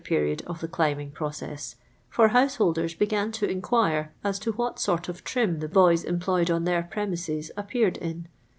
riod of the climbing process, fur householders began to inquire as to what sort of trim the boys employed on their ])remises appeared in.